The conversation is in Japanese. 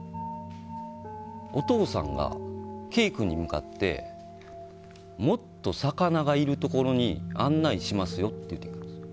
お父さんがＫ君に向かってもっと魚がいるところに案内しますよって言ってきたんですよ。